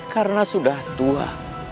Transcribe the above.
karena sudah tua